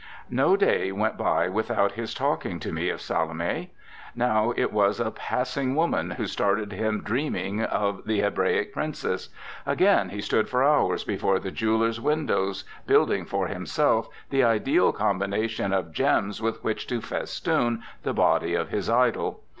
..." No day went by without his talking to me of Salome. Now it was a pass ing woman who started him dreaming of the 14 INTRODUCTION Hebraic princess; again he stood for hours before the jewelers' windows building for him self the ideal combination of gems with which to festoon the body of his idol.